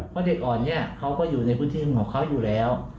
เพราะเด็กอ่อนเนี่ยเขาก็อยู่ในพื้นที่ของเขาอยู่แล้ว